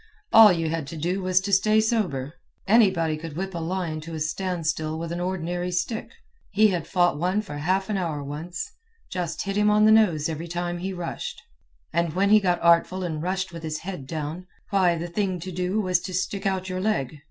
All you had to do was to stay sober. Anybody could whip a lion to a standstill with an ordinary stick. He had fought one for half an hour once. Just hit him on the nose every time he rushed, and when he got artful and rushed with his head down, why, the thing to do was to stick out your leg.